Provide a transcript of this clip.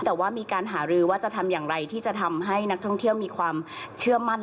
แต่ว่ามีการหารือว่าจะทำอย่างไรที่จะทำให้นักท่องเที่ยวมีความเชื่อมั่น